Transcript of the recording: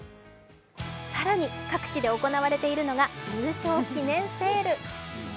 更に各地で行われているのが優勝記念セール。